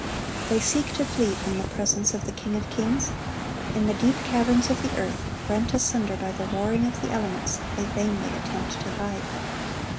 They seek to flee from the presence of the King of kings. In the deep caverns of the earth, rent asunder by the warring of the elements, they vainly attempt to hide.